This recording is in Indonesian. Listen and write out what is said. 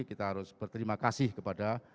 kita harus berterima kasih kepada